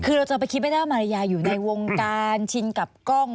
คือเราจะไปคิดไม่ได้ว่ามารยาอยู่ในวงการชินกับกล้อง